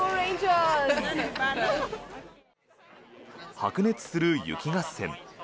白熱する雪合戦。